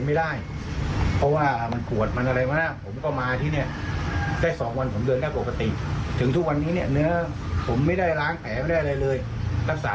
นี่ที่คลิปมาจากไหนครับ